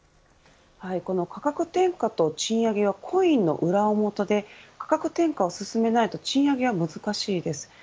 この価格転嫁と賃上げはコインの裏表で価格転嫁を進めないと賃上げは難しいです。